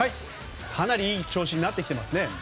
かなりいい調子になってきてますね。